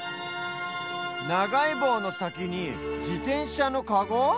ながいぼうのさきにじてんしゃのカゴ？